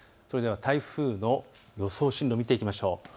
台風の予想進路を見ていきましょう。